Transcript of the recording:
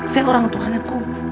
saya orang tuaneku